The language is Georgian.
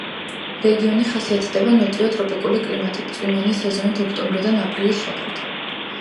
რეგიონი ხასიათდება ნოტიო ტროპიკული კლიმატით წვიმიანი სეზონით ოქტომბრიდან აპრილის ჩათვლით.